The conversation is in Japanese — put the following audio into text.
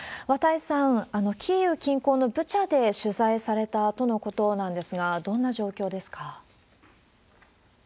綿井さん、キーウ近郊のブチャで取材されたとのことなんですが、どんな状況ですか？